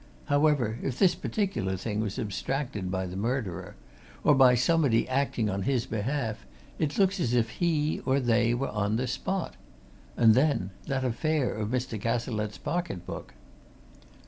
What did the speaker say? However, if this particular thing was abstracted by the murderer, or by somebody acting on his behalf it looks as if he, or they, were on the spot. And then that affair of Mr. Cazalette's pocket book!"